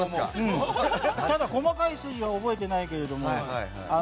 ただ、細かい筋は覚えてないけれども。